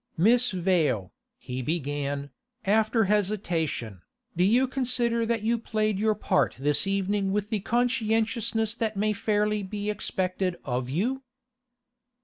'Miss Vale,' he began, after hesitation, 'do you consider that you played your part this evening with the conscientiousness that may fairly be expected of you?